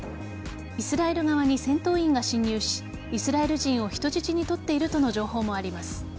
イスラエル側に戦闘員が侵入しイスラエル人を人質に取っているとの情報もあります。